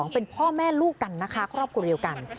เป็นพ่อแม่ลูกกันนะคะครอบครัวเดียวกัน